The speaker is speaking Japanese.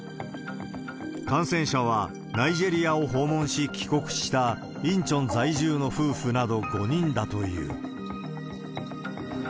感染者は、ナイジェリアを訪問し帰国した、インチョン在住の夫婦など５人だという。